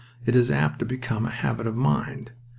It is apt to become a habit of mind.